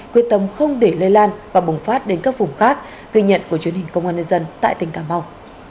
quyết tâm không để lây lan và bùng phát đến các vùng khác ghi nhận của truyền hình công an nhân dân tại tỉnh cà mau